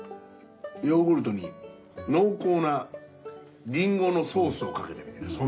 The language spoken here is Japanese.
ヨーグルトに濃厚なリンゴのソースをかけてる。